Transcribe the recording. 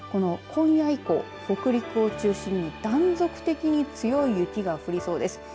今夜以降、北陸を中心に断続的に強い雪が降りそうです。